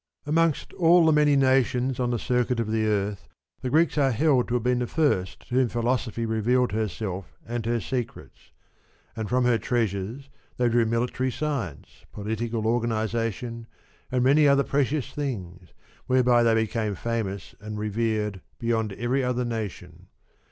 Amongst all the many nations on the circuit of the earth, the Greeks are held to have been the first to whom Philosophy revealed herself and her secrets ; and from her treasures they drew military science, political organisation, and many other precious things, whereby they became famous and revered beyond every other nation.